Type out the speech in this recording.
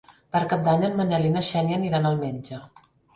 Per Cap d'Any en Manel i na Xènia aniran al metge.